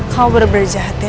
kamu bener bener jahat ya